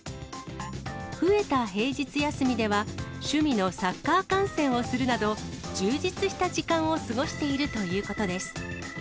増えた平日休みでは、趣味のサッカー観戦をするなど、充実した時間を過ごしているということです。